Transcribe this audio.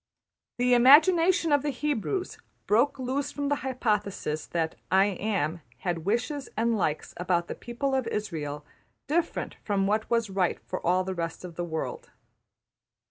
The imagination of the Hebrews broke loose from the hypothesis that ``I Am'' had wishes and likes about the people of Israël different from what was right for all the rest of the world.